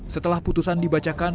setelah putusan dibacakan